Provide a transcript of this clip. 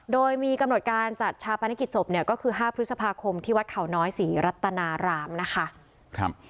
โดยมีกำหนดการจัดชาปนกิจศพเนี่ยก็คือ๕พฤษภาคมที่วัดเขาน้อยศรีรัตนารามนะคะ